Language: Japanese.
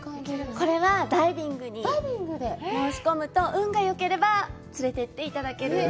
これは、ダイビングに申し込むと、運がよければ連れていっていただけると。